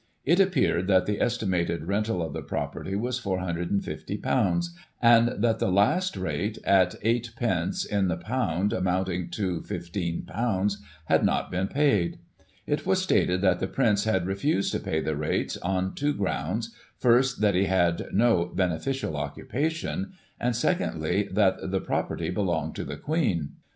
It appeared that the estimated rental of the property was £^S^y ^^^^^^^ the last rate, at 8d. in the pound, amounting to £iSy had not been paid. It was stated that the Prince had refused to pay the rates on two grounds, first, that he had no "beneficial occupation," and, secondly, that " the property belonged to the Queen."